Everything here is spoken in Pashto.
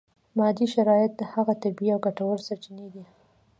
مادي شرایط هغه طبیعي او ګټورې سرچینې دي.